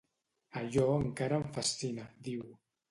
Allò encara em fascina, diu.